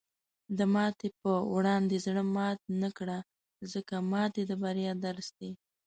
د ماتې په وړاندې زړۀ مات نه کړه، ځکه ماتې د بریا درس دی.